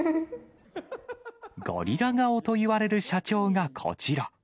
ゴリラ顔といわれる社長がこちら。